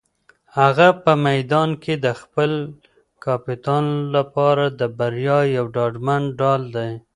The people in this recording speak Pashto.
هغه په میدان کې د خپل کپتان لپاره د بریا یو ډاډمن ډال دی.